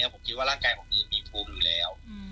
ผมคิดว่าร่างกายผมเนี่ยมีภูมิดูแล